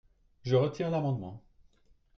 Je retire l’amendement.